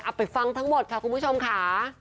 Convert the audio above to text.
ไปฟังทั้งหมดค่ะคุณผู้ชมค่ะ